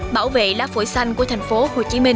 bảo vệ lá phổi xanh của thành phố hồ chí minh